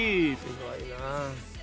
すごいなあ。